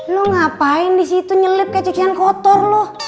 lo ngapain disitu nyelip kecekan kotor lo